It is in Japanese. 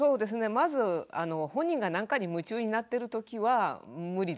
まず本人が何かに夢中になってるときは無理ですよね。